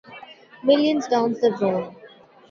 Millions down the drain.